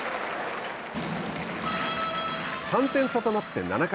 ３点差となって７回。